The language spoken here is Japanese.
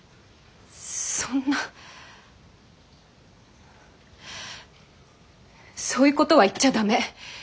そんなそういうことは言っちゃ駄目。